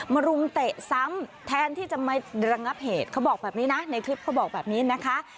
รุมเตะซ้ำแทนที่จะมาระงับเหตุเขาบอกแบบนี้นะในคลิปเขาบอกแบบนี้นะคะ